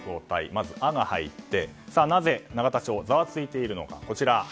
まず「ア」が入ってなぜ永田町、ざわついているのか。